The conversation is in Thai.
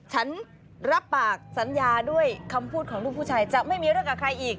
ฉันรับปากสัญญาด้วยคำพูดของลูกผู้ชายจะไม่มีเรื่องกับใครอีก